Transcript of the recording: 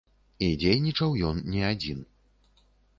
І дзейнічаў ён не адзін.